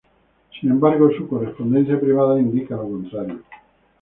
Sin embargo, su correspondencia privada indica lo contrario.